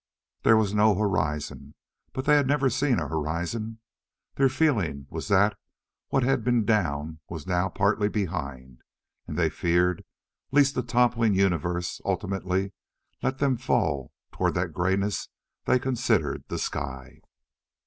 There was no horizon, but they had never seen a horizon. Their feeling was that what had been "down" was now partly "behind" and they feared lest a toppling universe ultimately let them fall toward that grayness they considered the sky.